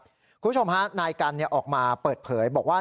คุณผู้ชมฮะนายกันออกมาเปิดเผยบอกว่า